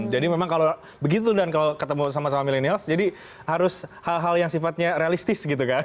jadi memang kalau begitu dan ketemu sama sama milenials jadi harus hal hal yang sifatnya realistis gitu kan